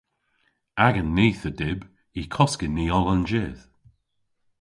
Agan nith a dyb y koskyn ni oll an jydh.